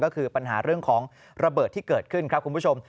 ก็คือปัญหาเรื่องของระเบิดที่เกิดขึ้นครับคุณผู้ชม